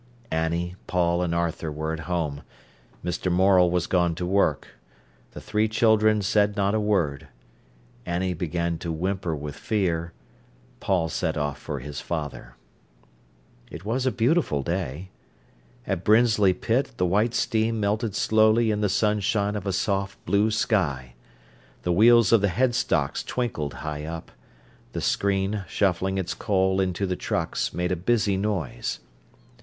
Annie, Paul, and Arthur were at home; Mr. Morel was gone to work. The three children said not a word. Annie began to whimper with fear; Paul set off for his father. It was a beautiful day. At Brinsley pit the white steam melted slowly in the sunshine of a soft blue sky; the wheels of the headstocks twinkled high up; the screen, shuffling its coal into the trucks, made a busy noise.